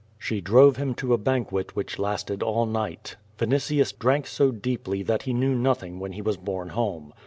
She drove him to a banquet which lasted all night. Vin itius drank so deeply that he knew nothing when he was borne home.